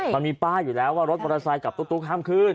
มันมีป้ายอยู่แล้วว่ารถปราสาทกลับทุกห้ามขึ้น